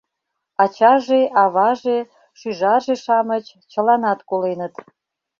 Ачаже, аваже, шӱжарже-шамыч чыланат коленыт.